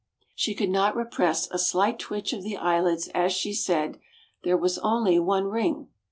She could not repress a slight twitch of the eyelids as she said: "There was only one ring."